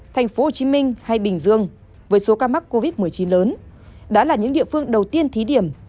thành phố hồ chí minh hay bình dương với số ca mắc covid một mươi chín lớn đã là những địa phương đầu tiên thí điểm